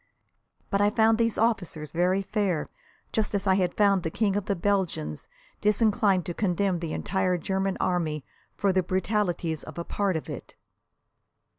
But I found these officers very fair, just as I had found the King of the Belgians disinclined to condemn the entire German Army for the brutalities of a part of it.